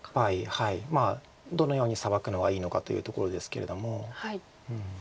どのようにサバくのがいいのかというところですけれども。